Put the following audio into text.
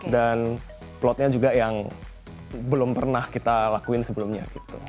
dan plotnya juga yang belum pernah kita lakuin sebelumnya gitu